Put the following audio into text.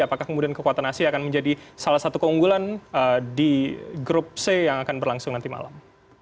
apakah kemudian kekuatan asia akan menjadi salah satu keunggulan di grup c yang akan berlangsung nanti malam